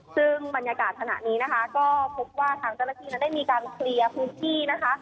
ซึ่งบรรยากาศขณะนี้นะคะก็พบว่าทางเจ้าหน้าที่นั้นได้มีการเคลียร์พื้นที่นะคะ